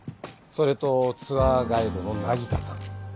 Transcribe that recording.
それとツアーガイドの凪田さん。